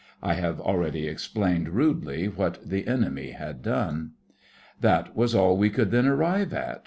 (I have already explained rudely what the enemy had done.) That was all we could then arrive at.